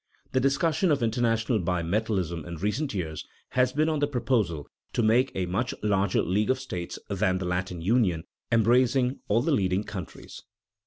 The discussion of international bimetallism in recent years has been on the proposal to make a much larger league of states than the Latin Union, embracing all the leading countries.